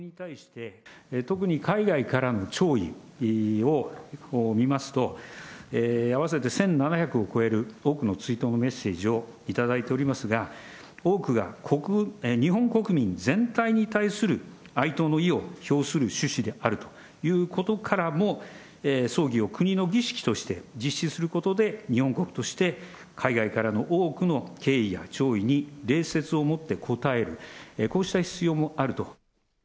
特に海外からの弔意を見ますと、合わせて１７００を超える多くの追悼のメッセージを頂いておりますが、多くが日本国民全体に対する哀悼の意を表する趣旨であるということからも、葬儀を国の儀式として実施することで、日本国として海外からの多くの敬意や弔意に礼節をもって応える、こうした必要もあると。